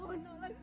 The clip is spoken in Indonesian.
ampuni dosa anakku